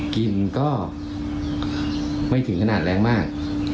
กลิ่นก็ไม่ถึงขนาดแรงมาก